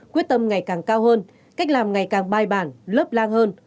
quyết tâm ngày càng cao hơn cách làm ngày càng bài bản lớp lang hơn